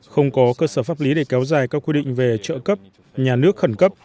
không có cơ sở pháp lý để kéo dài các quy định về trợ cấp nhà nước khẩn cấp